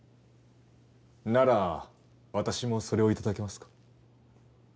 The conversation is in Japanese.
なら私もそれを頂けますか？